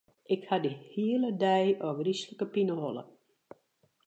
Ik ha al de hiele dei ôfgryslike pineholle.